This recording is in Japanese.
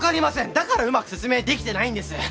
だからうまく説明できてないんです！